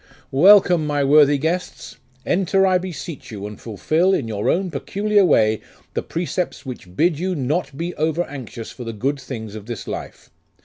'Welcome, my worthy guests! Enter, I beseech you, and fulfil, in your own peculiar way, the precepts which bid you not be over anxious for the good things of this life..